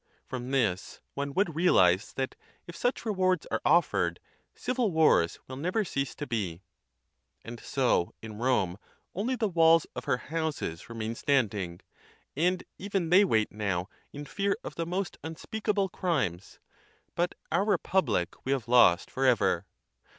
From this, one would realize that, if such rewards are offered, civil wars will never cease to be. And so in Rome only the walls of her houses remain standing — and even they wait now in fear of the most unspeakable crimes — but our republic we have lost for ever.